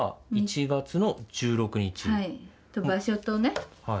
場所とね。